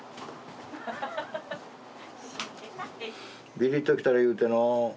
ビリッと来たら言うてのう。